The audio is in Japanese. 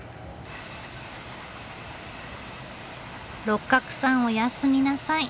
六角さんおやすみなさい。